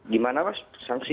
gimana mas sanksi